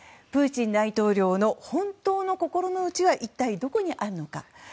プーチン大統領の本当の心の内は一体どこにあるのか。